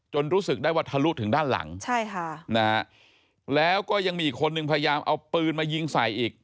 รู้สึกได้ว่าทะลุถึงด้านหลังใช่ค่ะนะฮะแล้วก็ยังมีอีกคนนึงพยายามเอาปืนมายิงใส่อีก